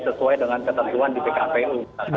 sesuai dengan ketentuan di pkpu